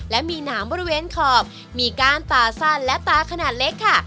และมีหนามบริเวณขอบมีก้านตาสั้นและตาขนาดเล็กค่ะ